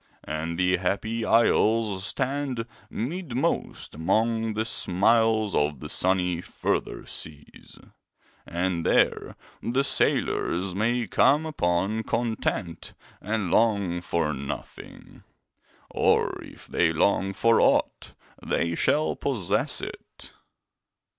And the Happy Isles stand midmost among the smiles of the sunny Further Seas, and there the sailors may come upon content and long for nothing; or if they long for aught, they shall possess it.